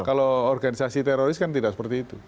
kalau organisasi teroris kan tidak seperti itu